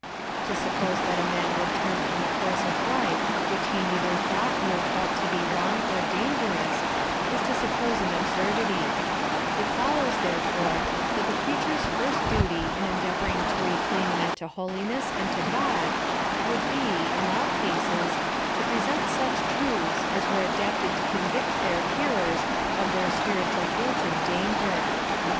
To suppose that a man would turn from a course of life which he neither thought nor felt to be wrong or dangerous, is to suppose an absurdity ; it follows, therefore, that the preacher's first duty in endeavor inof to reclaim men to holiness and to God, would be, in all cases, to present such truths as were adapt ed to convict their hearers of their spiritual guilt and danofer.